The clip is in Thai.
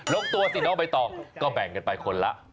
ลงตัวสิน้องไปต่อก็แบ่งกันไปคนละ๖ล้าน